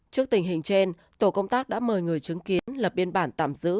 trước tình hình trên tổ công tác đã mời người chứng kiến lập biên bản tạm giữ